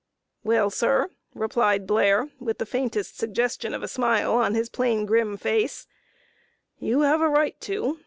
"Well, sir," replied Blair, with the faintest suggestion of a smile on his plain, grim face, "you have a right to.